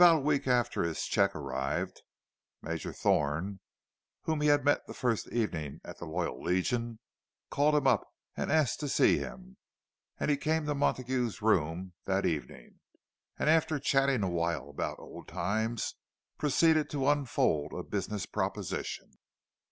About a week after his cheque arrived, Major Thorne, whom he had met the first evening at the Loyal Legion, called him up and asked to see him; and he came to Montague's room that evening, and after chatting awhile about old times, proceeded to unfold a business proposition.